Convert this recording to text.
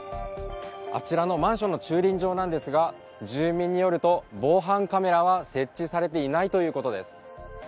あちらのマンションの駐輪場なんですが、住民によると、防犯カメラは設置されていないということです。